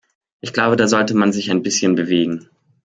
Ich glaube, da sollte man sich ein bisschen bewegen.